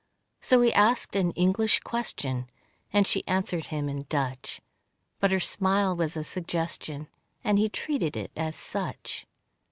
So he asked an English question, And she answered him in Dutch, But her smile was a suggestion, And he treated it as such.